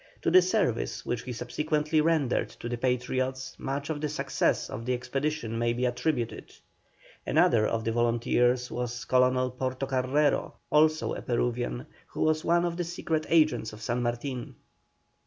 To the service which he subsequently rendered to the Patriots much of the success of the expedition may be attributed. Another of the volunteers was Colonel Portocarrero, also a Peruvian, who was one of the secret agents of San Martin.